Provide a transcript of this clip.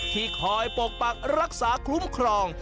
ที่คอยปกปักรักษาคุ้มครอง